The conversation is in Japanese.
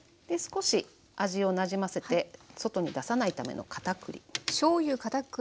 で少し味をなじませて外に出さないためのかたくり。